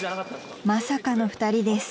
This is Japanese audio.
［まさかの２人です］